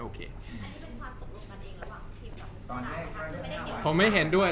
จากความไม่เข้าจันทร์ของผู้ใหญ่ของพ่อกับแม่